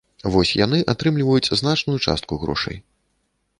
Вось яны атрымліваюць значную частку грошай.